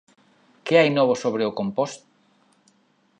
Que hai novo sobre o compost?